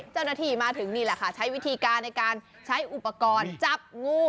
เจ้าหน้าที่มาถึงนี่แหละค่ะใช้วิธีการในการใช้อุปกรณ์จับงู